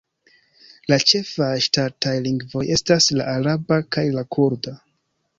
La ĉefaj ŝtataj lingvoj estas la araba kaj la kurda.